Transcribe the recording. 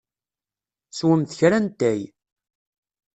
Swemt kra n ttay.